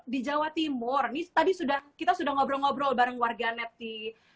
di jawa timur tadi kita sudah ngobrol ngobrol bareng warganet di